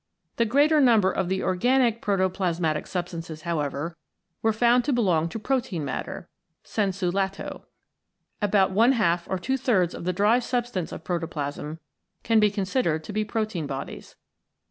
The greater number of the organic protoplasmatic substances, however, were found to belong to protein matter, sensu lato. About | or f of the dry substance of protoplasm can be considered to be protein bodies.